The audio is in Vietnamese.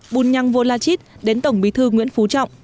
bùn nhăng vô la chít đến tổng bí thư nguyễn phú trọng